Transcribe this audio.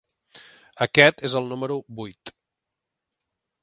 Aquest és el número vuit.